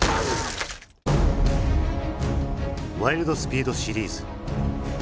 「ワイルド・スピード」シリーズ。